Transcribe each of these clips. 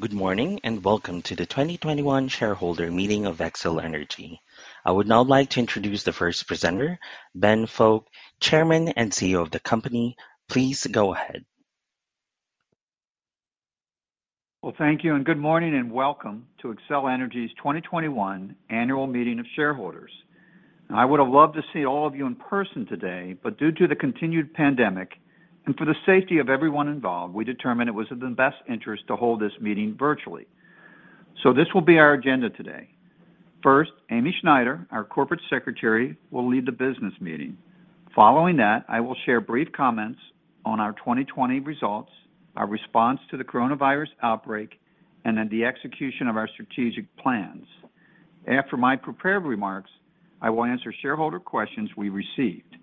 Good morning. Welcome to the 2021 shareholder meeting of Xcel Energy. I would now like to introduce the first presenter, Ben Fowke, Chairman and CEO of the company. Please go ahead. Well, thank you, and good morning, and welcome to Xcel Energy's 2021 annual meeting of shareholders. I would've loved to see all of you in person today, due to the continued pandemic and for the safety of everyone involved, we determined it was in the best interest to hold this meeting virtually. This will be our agenda today. First, Amy Schneider, our Corporate Secretary, will lead the business meeting. Following that, I will share brief comments on our 2020 results, our response to the coronavirus outbreak, and then the execution of our strategic plans. After my prepared remarks, I will answer shareholder questions we received.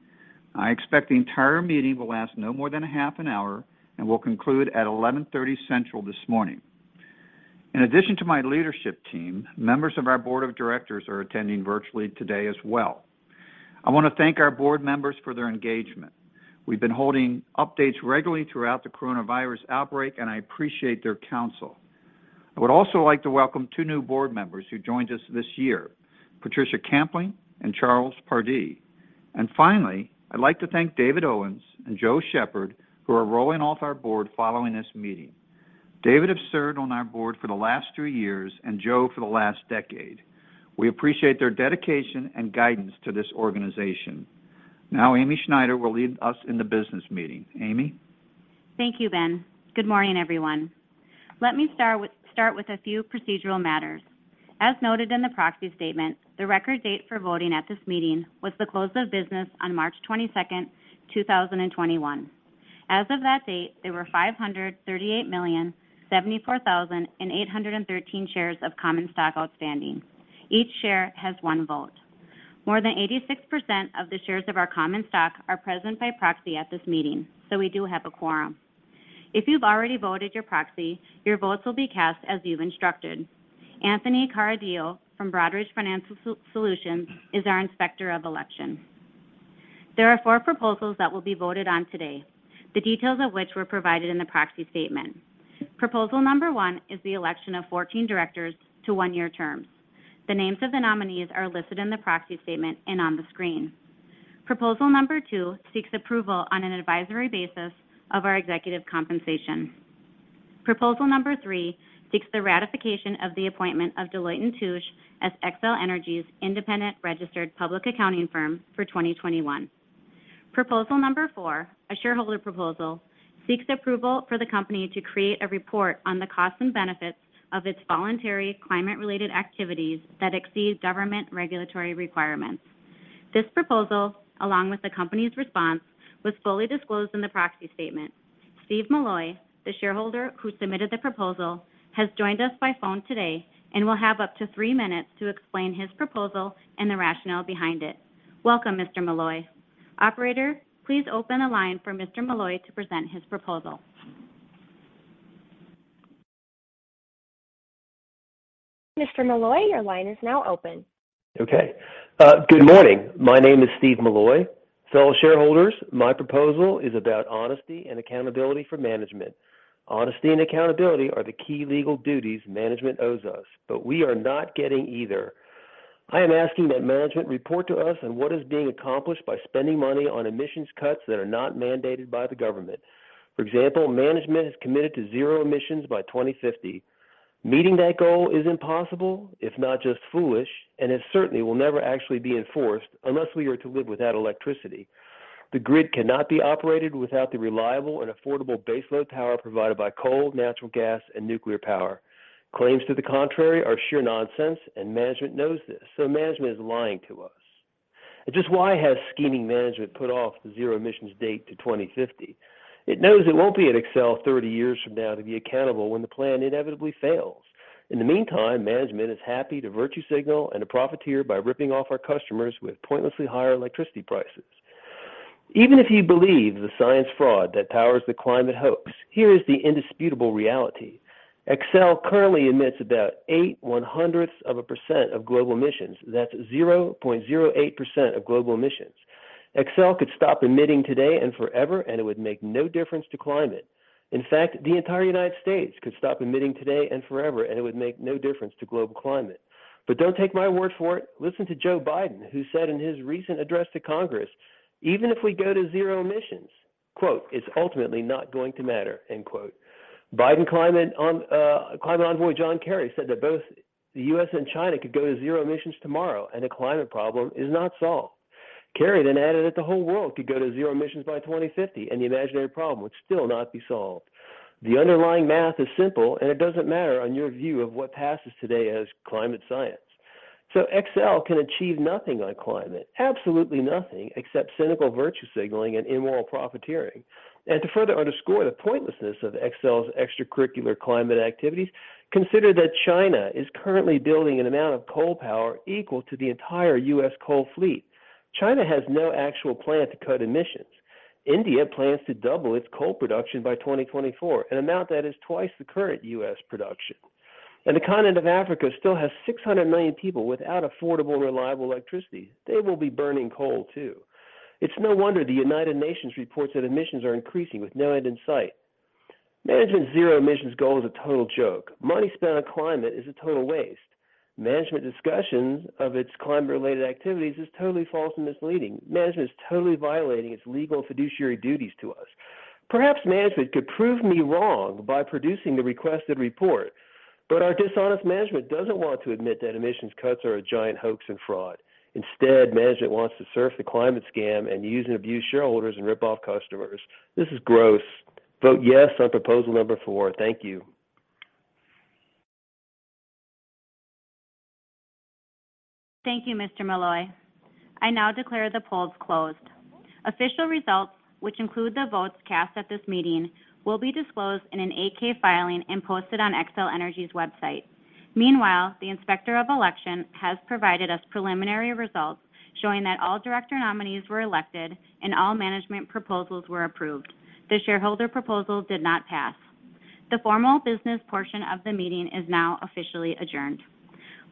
I expect the entire meeting will last no more than a half an hour and will conclude at 11:30 A.M. Central this morning. In addition to my leadership team, members of our board of directors are attending virtually today as well. I want to thank our board members for their engagement. We've been holding updates regularly throughout the coronavirus outbreak, and I appreciate their counsel. I would also like to welcome two new board members who joined us this year, Patricia Kampling and Charles Pardee. Finally, I'd like to thank David Owens and James Sheppard, who are rolling off our board following this meeting. David has served on our board for the last three years and Jim for the last 10 years. We appreciate their dedication and guidance to this organization. Amy Schneider will lead us in the business meeting. Amy? Thank you, Ben. Good morning, everyone. Let me start with a few procedural matters. As noted in the proxy statement, the record date for voting at this meeting was the close of business on March 22nd, 2021. As of that date, there were 538,074,813 shares of common stock outstanding. Each share has one vote. More than 86% of the shares of our common stock are present by proxy at this meeting, so we do have a quorum. If you've already voted your proxy, your votes will be cast as you instructed. Anthony Cardile from Broadridge Financial Solutions is our Inspector of Elections. There are four proposals that will be voted on today, the details of which were provided in the proxy statement. Proposal number one is the election of 14 directors to one-year terms. The names of the nominees are listed in the proxy statement and on the screen. Proposal number two seeks approval on an advisory basis of our executive compensation. Proposal number three seeks the ratification of the appointment of Deloitte & Touche as Xcel Energy's independent registered public accounting firm for 2021. Proposal number four, a shareholder proposal, seeks approval for the company to create a report on the cost and benefits of its voluntary climate-related activities that exceed government regulatory requirements. This proposal, along with the company's response, was fully disclosed in the proxy statement. Steve Milloy, the shareholder who submitted the proposal, has joined us by phone today and will have up to three minutes to explain his proposal and the rationale behind it. Welcome, Mr. Milloy. Operator, please open a line for Mr. Milloy to present his proposal. Mr. Milloy, your line is now open. Okay. Good morning. My name is Steve Milloy. Fellow shareholders, my proposal is about honesty and accountability for management. Honesty and accountability are the key legal duties management owes us. We are not getting either. I am asking that management report to us on what is being accomplished by spending money on emissions cuts that are not mandated by the government. For example, management has committed to zero emissions by 2050. Meeting that goal is impossible, if not just foolish. It certainly will never actually be enforced unless we are to live without electricity. The grid cannot be operated without the reliable and affordable baseload power provided by coal, natural gas, and nuclear power. Claims to the contrary are sheer nonsense. Management knows this. Management is lying to us. Just why has scheming management put off the zero emissions date to 2050? It knows it won't be at Xcel 30 years from now to be accountable when the plan inevitably fails. In the meantime, management is happy to virtue signal and to profiteer by ripping off our customers with pointlessly higher electricity prices. Even if you believe the science fraud that powers the climate hoax, here is the indisputable reality. Xcel currently emits about 0.08% of global emissions. That's 0.08% of global emissions. Xcel could stop emitting today and forever, and it would make no difference to climate. In fact, the entire U.S. could stop emitting today and forever, and it would make no difference to global climate. Don't take my word for it. Listen to Joe Biden, who said in his recent address to Congress, even if we go to zero emissions, quote, "It's ultimately not going to matter," end quote. Biden climate envoy John Kerry said that both the U.S. and China could go to zero emissions tomorrow and the climate problem is not solved. Kerry added that the whole world could go to zero emissions by 2050 and the imaginary problem would still not be solved. The underlying math is simple, and it doesn't matter on your view of what passes today as climate science. Xcel can achieve nothing on climate, absolutely nothing except cynical virtue signaling and immoral profiteering. To further underscore the pointlessness of Xcel's extracurricular climate activities, consider that China is currently building an amount of coal power equal to the entire U.S. coal fleet. China has no actual plan to cut emissions. India plans to double its coal production by 2024, an amount that is twice the current U.S. production The continent of Africa still has 600 million people without affordable, reliable electricity. They will be burning coal, too. It's no wonder the United Nations reports that emissions are increasing with no end in sight. Management's zero emissions goal is a total joke. Money spent on climate is a total waste. Management's discussion of its climate-related activities is totally false and misleading. Management is totally violating its legal fiduciary duties to us. Perhaps management could prove me wrong by producing the requested report, but our dishonest management doesn't want to admit that emissions cuts are a giant hoax and fraud. Instead, management wants to surf the climate scam and use and abuse shareholders and rip off customers. This is gross. Vote yes on proposal number four. Thank you. Thank you, Mr. Milloy. I now declare the polls closed. Official results, which include the votes cast at this meeting, will be disclosed in an 8-K filing and posted on Xcel Energy's website. Meanwhile, the Inspector of Election has provided us preliminary results showing that all director nominees were elected and all management proposals were approved. The shareholder proposal did not pass. The formal business portion of the meeting is now officially adjourned.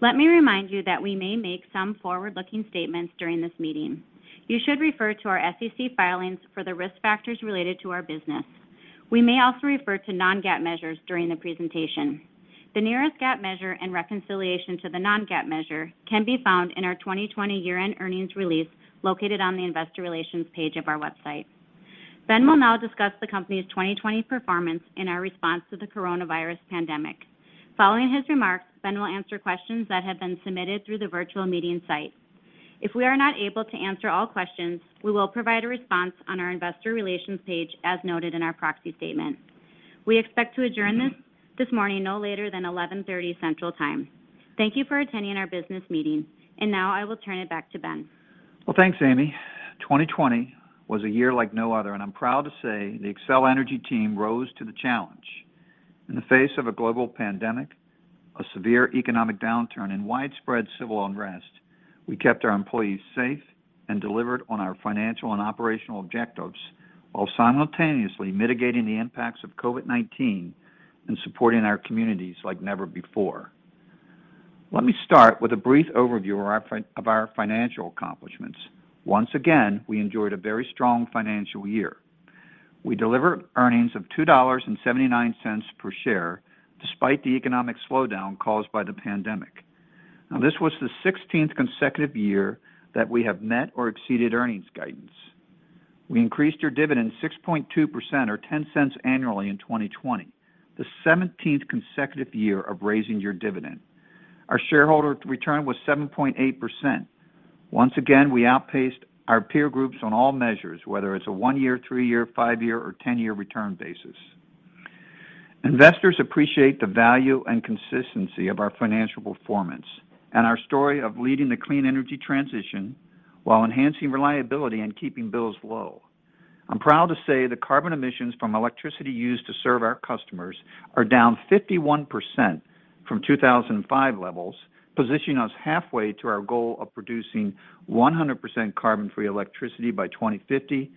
Let me remind you that we may make some forward-looking statements during this meeting. You should refer to our SEC filings for the risk factors related to our business. We may also refer to non-GAAP measures during the presentation. The nearest GAAP measure and reconciliation to the non-GAAP measure can be found in our 2020 year-end earnings release located on the investor relations page of our website. Ben will now discuss the company's 2020 performance and our response to the coronavirus pandemic. Following his remarks, Ben will answer questions that have been submitted through the virtual meeting site. If we are not able to answer all questions, we will provide a response on our investor relations page, as noted in our proxy statement. We expect to adjourn this morning no later than 11:30 central time. Thank you for attending our business meeting. Now I will turn it back to Ben. Thanks, Amy. 2020 was a year like no other, and I'm proud to say the Xcel Energy team rose to the challenge. In the face of a global pandemic, a severe economic downturn, and widespread civil unrest, we kept our employees safe and delivered on our financial and operational objectives while simultaneously mitigating the impacts of COVID-19 and supporting our communities like never before. Let me start with a brief overview of our financial accomplishments. Once again, we enjoyed a very strong financial year. We delivered earnings of $2.79 per share despite the economic slowdown caused by the pandemic. This was the 16th consecutive year that we have met or exceeded earnings guidance. We increased our dividend 6.2%, or $0.10 annually in 2020, the 17th consecutive year of raising your dividend. Our shareholder return was 7.8%. Once again, we outpaced our peer groups on all measures, whether it's a one-year, three-year, five-year, or 10-year return basis. Investors appreciate the value and consistency of our financial performance and our story of leading the clean energy transition while enhancing reliability and keeping bills low. I'm proud to say that carbon emissions from electricity used to serve our customers are down 51% from 2005 levels, positioning us halfway to our goal of producing 100% carbon-free electricity by 2050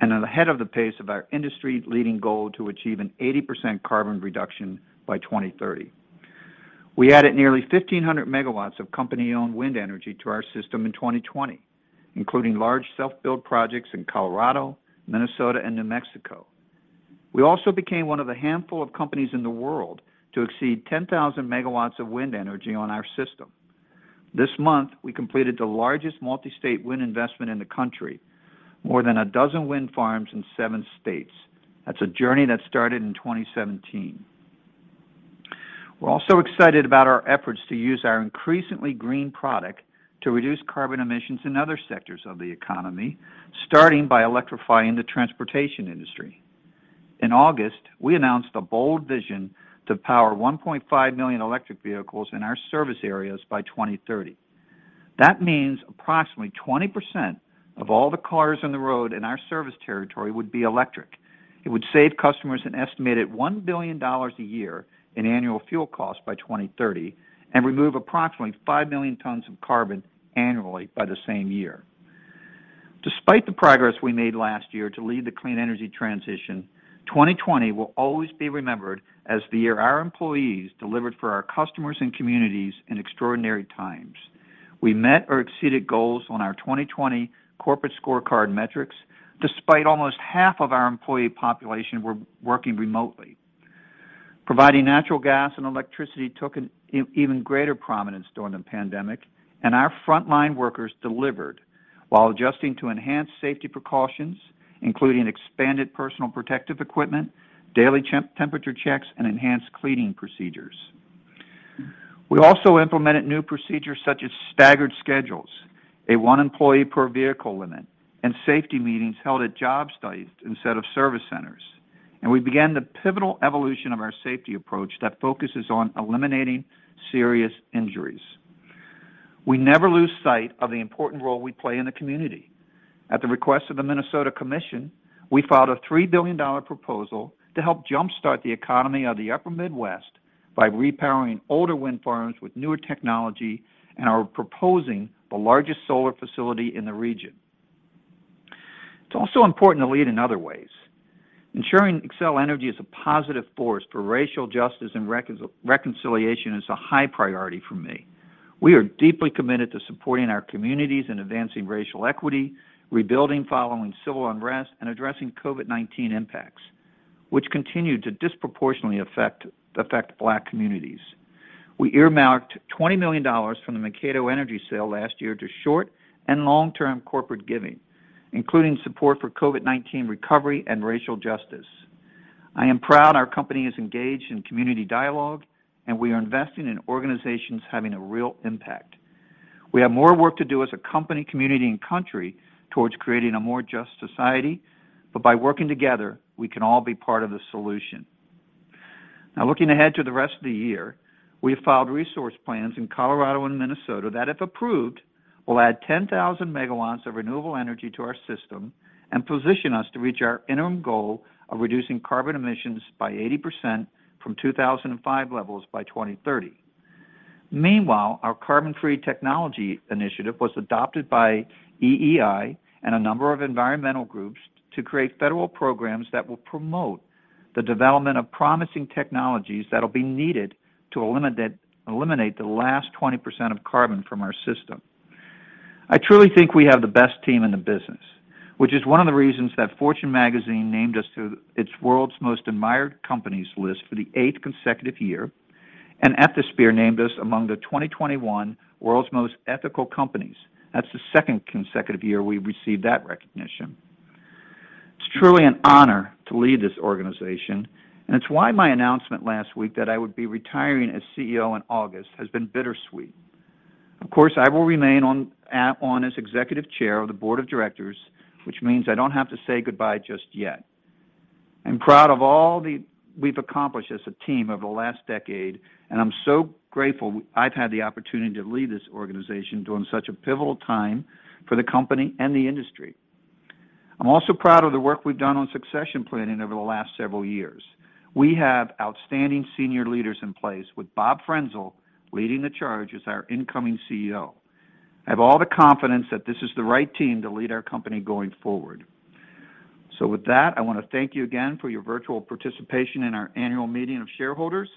and ahead of the pace of our industry-leading goal to achieve an 80% carbon reduction by 2030. We added nearly 1,500 MW of company-owned wind energy to our system in 2020, including large self-build projects in Colorado, Minnesota, and New Mexico. We also became one of the handful of companies in the world to exceed 10,000 MW of wind energy on our system. This month, we completed the largest multi-state wind investment in the country, more than 12 wind farms in seven states. That's a journey that started in 2017. We're also excited about our efforts to use our increasingly green product to reduce carbon emissions in other sectors of the economy, starting by electrifying the transportation industry. In August, we announced a bold vision to power 1.5 million electric vehicles in our service areas by 2030. That means approximately 20% of all the cars on the road in our service territory would be electric. It would save customers an estimated $1 billion a year in annual fuel costs by 2030 and remove approximately 5 million tons of carbon annually by the same year. Despite the progress we made last year to lead the clean energy transition, 2020 will always be remembered as the year our employees delivered for our customers and communities in extraordinary times. We met or exceeded goals on our 2020 corporate scorecard metrics despite almost half of our employee population working remotely. Providing natural gas and electricity took an even greater prominence during the pandemic, our frontline workers delivered while adjusting to enhanced safety precautions, including expanded personal protective equipment, daily temperature checks, and enhanced cleaning procedures. We also implemented new procedures such as staggered schedules, a one-employee-per-vehicle limit, and safety meetings held at job sites instead of service centers. We began the pivotal evolution of our safety approach that focuses on eliminating serious injuries. We never lose sight of the important role we play in the community. At the request of the Minnesota Commission, we filed a $3 billion proposal to help jumpstart the economy of the upper Midwest by repowering older wind farms with newer technology and are proposing the largest solar facility in the region. Important to lead in other ways. Ensuring Xcel Energy is a positive force for racial justice and reconciliation is a high priority for me. We are deeply committed to supporting our communities and advancing racial equity, rebuilding following civil unrest, and addressing COVID-19 impacts, which continue to disproportionately affect Black communities. We earmarked $20 million from the Mankato Energy sale last year to short and long-term corporate giving, including support for COVID-19 recovery and racial justice. I am proud our company is engaged in community dialogue, and we are investing in organizations having a real impact. We have more work to do as a company, community, and country towards creating a more just society, but by working together, we can all be part of the solution. Looking ahead to the rest of the year, we have filed resource plans in Colorado and Minnesota that, if approved, will add 10,000 MW of renewable energy to our system and position us to reach our interim goal of reducing carbon emissions by 80% from 2005 levels by 2030. Meanwhile, our carbon-free technology initiative was adopted by EEI and a number of environmental groups to create federal programs that will promote the development of promising technologies that'll be needed to eliminate the last 20% of carbon from our system. I truly think we have the best team in the business, which is one of the reasons that Fortune magazine named us to its World's Most Admired Companies list for the eighth consecutive year, and Ethisphere named us among the 2021 World's Most Ethical Companies. That's the second consecutive year we've received that recognition. It's truly an honor to lead this organization, and it's why my announcement last week that I would be retiring as CEO in August has been bittersweet. Of course, I will remain on as executive chair of the board of directors, which means I don't have to say goodbye just yet. I'm proud of all we've accomplished as a team over the last decade, and I'm so grateful I've had the opportunity to lead this organization during such a pivotal time for the company and the industry. I'm also proud of the work we've done on succession planning over the last several years. We have outstanding senior leaders in place, with Bob Frenzel leading the charge as our incoming CEO. I have all the confidence that this is the right team to lead our company going forward. With that, I want to thank you again for your virtual participation in our annual meeting of shareholders,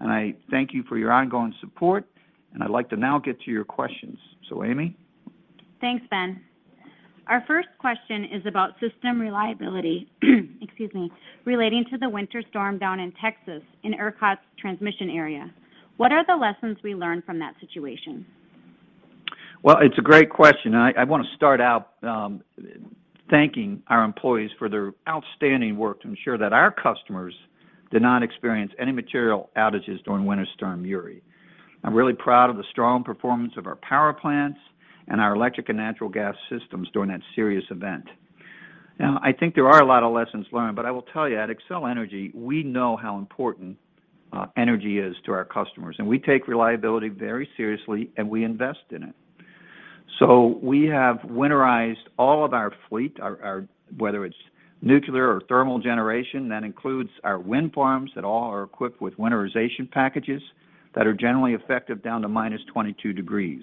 and I thank you for your ongoing support, and I'd like to now get to your questions. Amy? Thanks, Ben. Our first question is about system reliability, excuse me, relating to the winter storm down in Texas in ERCOT's transmission area. What are the lessons we learned from that situation? Well, it's a great question, and I want to start out thanking our employees for their outstanding work to ensure that our customers did not experience any material outages during Winter Storm Uri. I'm really proud of the strong performance of our power plants and our electric and natural gas systems during that serious event. I think there are a lot of lessons learned, but I will tell you, at Xcel Energy, we know how important energy is to our customers, and we take reliability very seriously, and we invest in it. We have winterized all of our fleet, whether it's nuclear or thermal generation. That includes our wind farms that all are equipped with winterization packages that are generally effective down to -22 degrees.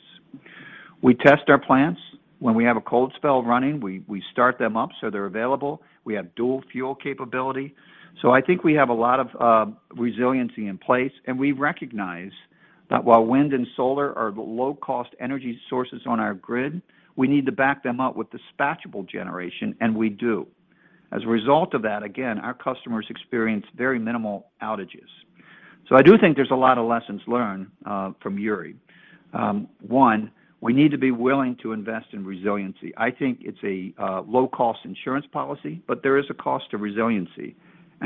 We test our plants. When we have a cold spell running, we start them up so they're available. We have dual fuel capability. I think we have a lot of resiliency in place, and we recognize that while wind and solar are low-cost energy sources on our grid, we need to back them up with dispatchable generation, and we do. As a result of that, again, our customers experience very minimal outages. I do think there's a lot of lessons learned from Uri. One, we need to be willing to invest in resiliency. I think it's a low-cost insurance policy, but there is a cost to resiliency.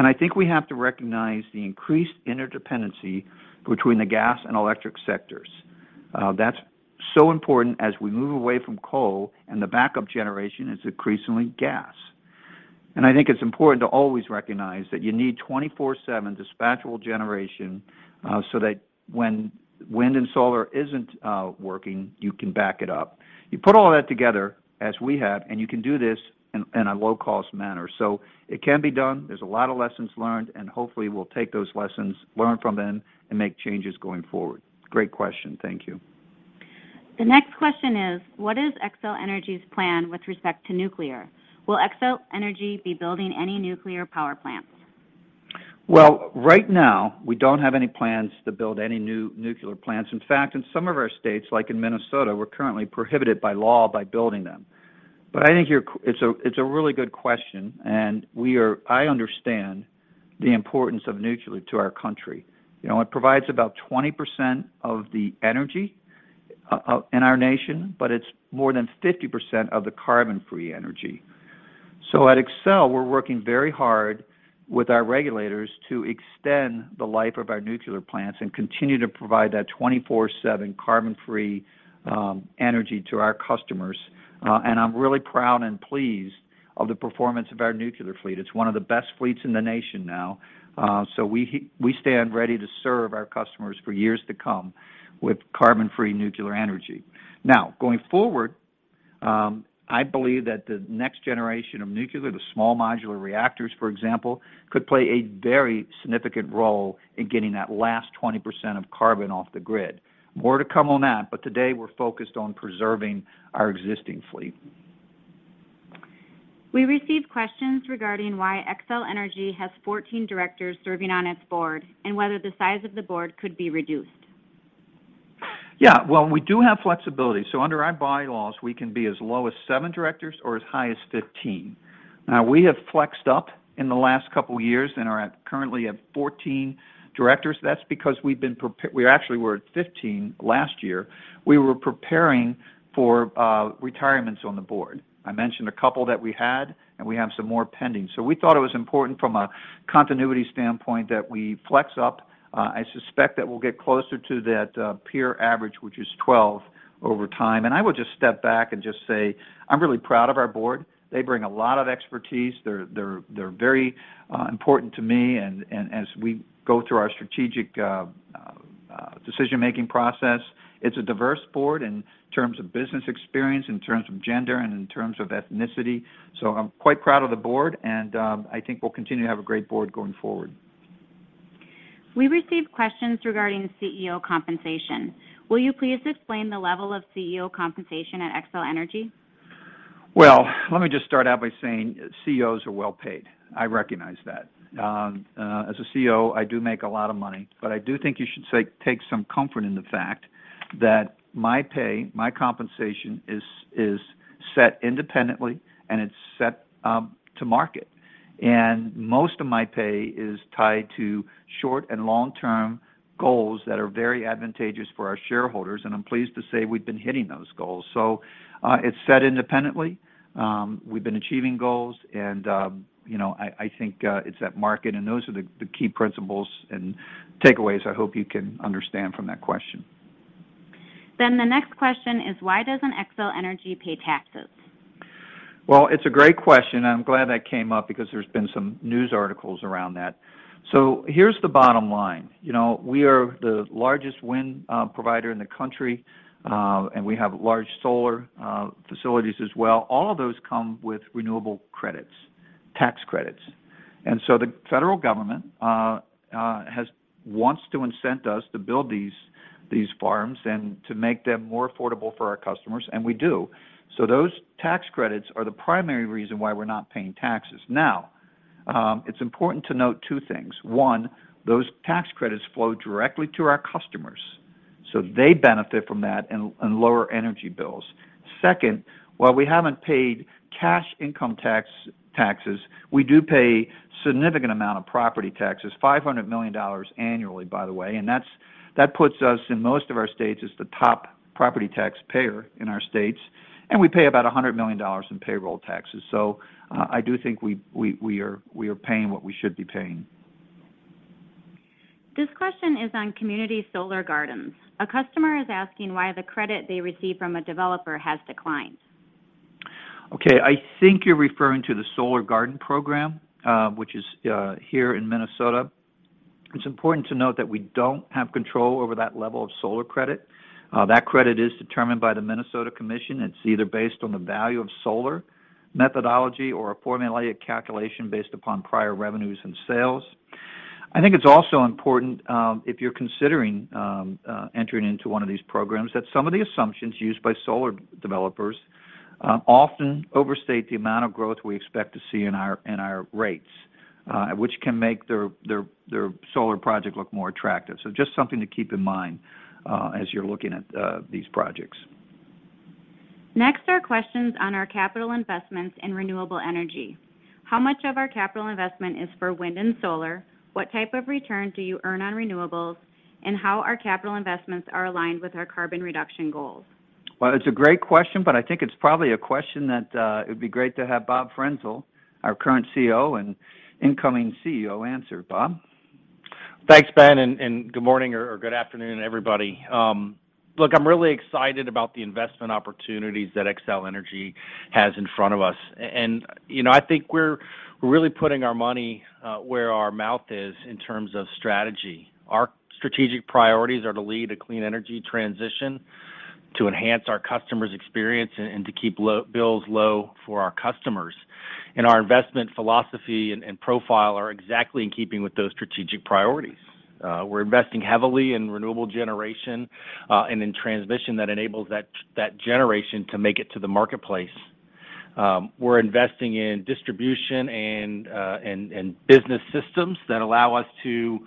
I think we have to recognize the increased interdependency between the gas and electric sectors. That's so important as we move away from coal and the backup generation is increasingly gas. I think it's important to always recognize that you need 24/7 dispatchable generation so that when wind and solar isn't working, you can back it up. You put all that together, as we have, you can do this in a low-cost manner. It can be done. There's a lot of lessons learned, hopefully we'll take those lessons, learn from them, and make changes going forward. Great question. Thank you. The next question is, what is Xcel Energy's plan with respect to nuclear? Will Xcel Energy be building any nuclear power plants? Well, right now, we don't have any plans to build any new nuclear plants. In fact, in some of our states, like in Minnesota, we're currently prohibited by law by building them. I think it's a really good question, and I understand the importance of nuclear to our country. It provides about 20% of the energy in our nation, but it's more than 50% of the carbon-free energy. At Xcel, we're working very hard with our regulators to extend the life of our nuclear plants and continue to provide that 24/7 carbon-free energy to our customers. I'm really proud and pleased of the performance of our nuclear fleet. It's one of the best fleets in the nation now, so we stand ready to serve our customers for years to come with carbon-free nuclear energy. Going forward, I believe that the next generation of nuclear, the small modular reactors, for example, could play a very significant role in getting that last 20% of carbon off the grid. More to come on that. Today we're focused on preserving our existing fleet. We received questions regarding why Xcel Energy has 14 directors serving on its board and whether the size of the board could be reduced. Yeah. Well, we do have flexibility. Under our bylaws, we can be as low as seven directors or as high as 15. We have flexed up in the last couple of years and are currently at 14 directors. We actually were at 15 last year. We were preparing for retirements on the board. I mentioned a couple that we had, and we have some more pending. We thought it was important from a continuity standpoint that we flex up. I suspect that we'll get closer to that peer average, which is 12, over time. I would just step back and just say, I'm really proud of our board. They bring a lot of expertise. They're very important to me and as we go through our strategic decision-making process. It's a diverse board in terms of business experience, in terms of gender, and in terms of ethnicity. I'm quite proud of the board, and I think we'll continue to have a great board going forward. We received questions regarding CEO compensation. Will you please explain the level of CEO compensation at Xcel Energy? Well, let me just start out by saying CEOs are well-paid. I recognize that. As a CEO, I do make a lot of money, but I do think you should take some comfort in the fact that my pay, my compensation, is set independently and it's set to market. Most of my pay is tied to short and long-term goals that are very advantageous for our shareholders, and I'm pleased to say we've been hitting those goals. It's set independently. We've been achieving goals, and I think it's at market, and those are the key principles and takeaways I hope you can understand from that question. The next question is, why doesn't Xcel Energy pay taxes? Well, it's a great question, and I'm glad that came up because there's been some news articles around that. Here's the bottom line. We are the largest wind provider in the country, and we have large solar facilities as well. All of those come with renewable credits, tax credits. The federal government wants to incent us to build these farms and to make them more affordable for our customers, and we do. Those tax credits are the primary reason why we're not paying taxes. Now, it's important to note two things. One, those tax credits flow directly to our customers, so they benefit from that in lower energy bills. Second, while we haven't paid cash income taxes, we do pay a significant amount of property taxes, $500 million annually, by the way, and that puts us in most of our states as the top property taxpayer in our states, and we pay about $100 million in payroll taxes. I do think we are paying what we should be paying. This question is on community solar gardens. A customer is asking why the credit they receive from a developer has declined. Okay, I think you're referring to the Solar Garden Program, which is here in Minnesota. It's important to note that we don't have control over that level of solar credit. That credit is determined by the Minnesota Commission. It's either based on the Value of Solar methodology or a formulaic calculation based upon prior revenues and sales. I think it's also important, if you're considering entering into one of these programs, that some of the assumptions used by solar developers often overstate the amount of growth we expect to see in our rates, which can make their solar project look more attractive. Just something to keep in mind as you're looking at these projects. Next are questions on our capital investments in renewable energy. How much of our capital investment is for wind and solar? What type of return do you earn on renewables? How our capital investments are aligned with our carbon reduction goals? Well, it's a great question, but I think it's probably a question that it'd be great to have Bob Frenzel, our current COO and incoming CEO, answer. Bob? Thanks, Ben. Good morning or good afternoon, everybody. Look, I'm really excited about the investment opportunities that Xcel Energy has in front of us. I think we're really putting our money where our mouth is in terms of strategy. Our strategic priorities are to lead a clean energy transition, to enhance our customers' experience, and to keep bills low for our customers. Our investment philosophy and profile are exactly in keeping with those strategic priorities. We're investing heavily in renewable generation and in transmission that enables that generation to make it to the marketplace. We're investing in distribution and business systems that allow us to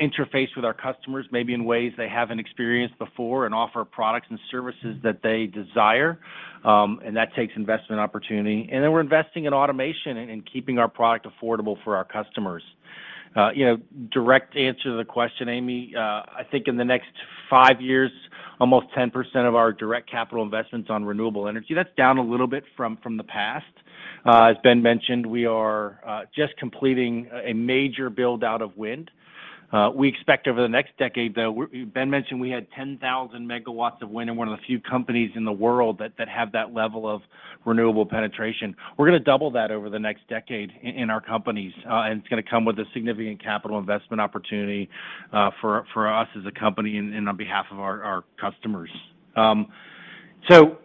interface with our customers maybe in ways they haven't experienced before and offer products and services that they desire, and that takes investment opportunity. We're investing in automation and keeping our product affordable for our customers. Direct answer to the question, Amy, I think in the next five years, almost 10% of our direct capital investments on renewable energy. That's down a little bit from the past. As Ben mentioned, we are just completing a major build-out of wind. We expect over the next decade, though, Ben mentioned we had 10,000 MW of wind and we're one of the few companies in the world that have that level of renewable penetration. We're going to double that over the next decade in our companies, and it's going to come with a significant capital investment opportunity for us as a company and on behalf of our customers. I'm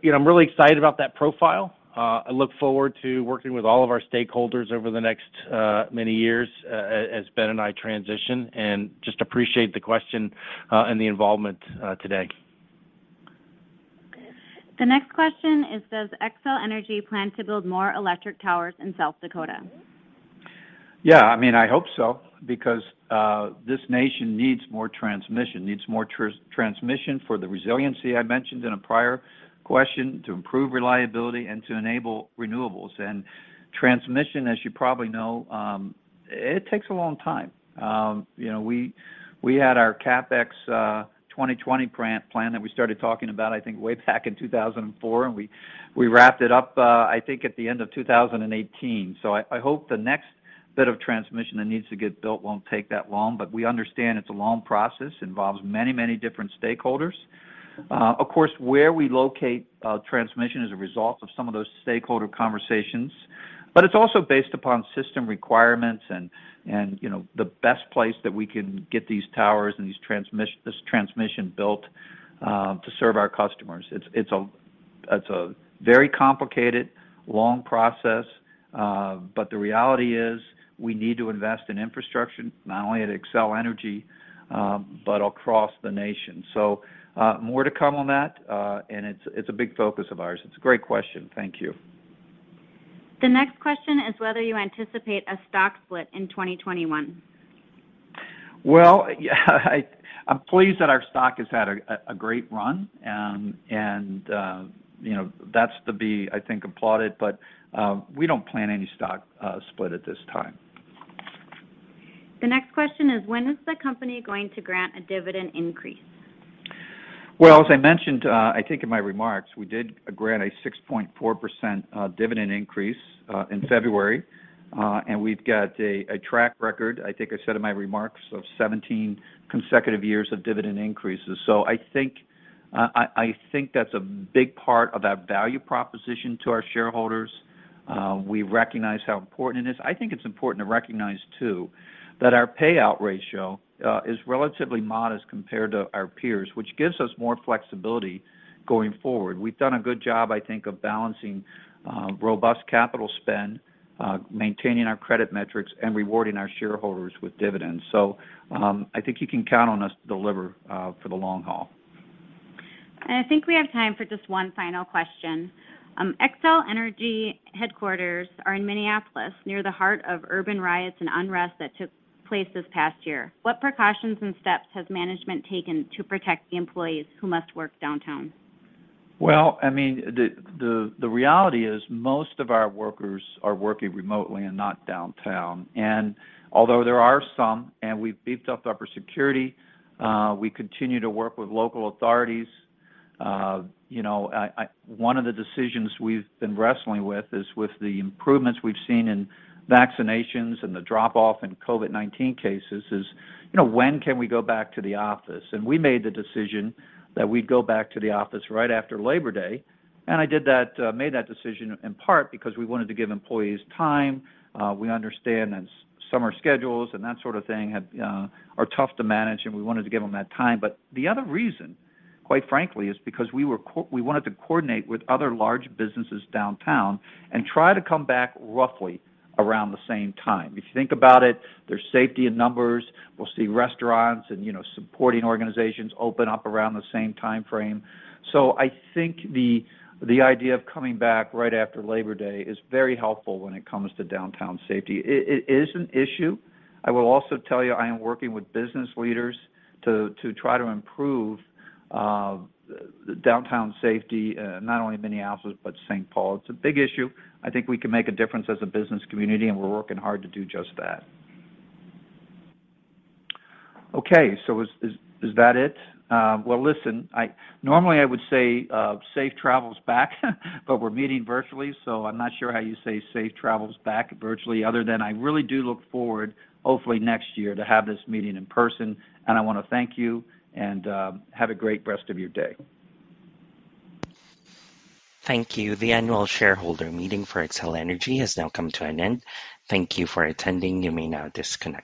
really excited about that profile. I look forward to working with all of our stakeholders over the next many years as Ben and I transition, and just appreciate the question and the involvement today. The next question is, does Xcel Energy plan to build more electric towers in South Dakota? Yeah, I hope so. This nation needs more transmission. Needs more transmission for the resiliency I mentioned in a prior question, to improve reliability, to enable renewables. Transmission, as you probably know, it takes a long time. We had our CapX2020 plan that we started talking about, I think, way back in 2004. We wrapped it up, I think, at the end of 2018. I hope the next bit of transmission that needs to get built won't take that long. We understand it's a long process, involves many different stakeholders. Of course, where we locate transmission is a result of some of those stakeholder conversations. It's also based upon system requirements and the best place that we can get these towers and this transmission built to serve our customers. It's a very complicated, long process. The reality is we need to invest in infrastructure, not only at Xcel Energy, but across the nation. More to come on that, and it's a big focus of ours. It's a great question. Thank you. The next question is whether you anticipate a stock split in 2021. Well, I'm pleased that our stock has had a great run, and that's to be, I think, applauded. We don't plan any stock split at this time. The next question is, when is the company going to grant a dividend increase? Well, as I mentioned, I think in my remarks, we did grant a 6.4% dividend increase in February. We've got a track record, I think I said in my remarks, of 17 consecutive years of dividend increases. I think that's a big part of that value proposition to our shareholders. We recognize how important it is. I think it's important to recognize, too, that our payout ratio is relatively modest compared to our peers, which gives us more flexibility going forward. We've done a good job, I think, of balancing robust capital spend, maintaining our credit metrics, and rewarding our shareholders with dividends. I think you can count on us to deliver for the long haul. I think we have time for just one final question. Xcel Energy headquarters are in Minneapolis, near the heart of urban riots and unrest that took place this past year. What precautions and steps has management taken to protect the employees who must work downtown? Well, the reality is most of our workers are working remotely and not downtown. Although there are some, and we've beefed up our security, we continue to work with local authorities. One of the decisions we've been wrestling with is with the improvements we've seen in vaccinations and the drop-off in COVID-19 cases is, when can we go back to the office? We made the decision that we'd go back to the office right after Labor Day. I made that decision in part because we wanted to give employees time. We understand that summer schedules and that sort of thing are tough to manage, and we wanted to give them that time. The other reason, quite frankly, is because we wanted to coordinate with other large businesses downtown and try to come back roughly around the same time. If you think about it, there's safety in numbers. We'll see restaurants and supporting organizations open up around the same timeframe. I think the idea of coming back right after Labor Day is very helpful when it comes to downtown safety. It is an issue. I will also tell you I am working with business leaders to try to improve downtown safety, not only in Minneapolis, but St. Paul. It's a big issue. I think we can make a difference as a business community, and we're working hard to do just that. Is that it? Listen, normally I would say safe travels back, but we're meeting virtually, so I'm not sure how you say safe travels back virtually other than I really do look forward, hopefully next year, to have this meeting in person. I want to thank you, and have a great rest of your day. Thank you. The annual shareholder meeting for Xcel Energy has now come to an end. Thank you for attending. You may now disconnect.